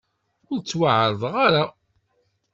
Ur ttwaɛerḍeɣ ara.